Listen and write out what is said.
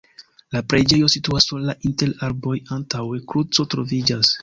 La preĝejo situas sola inter arboj, antaŭe kruco troviĝas.